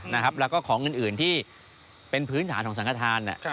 แล้วก็ของอื่นที่เป็นพื้นฐานของสังฆฐาน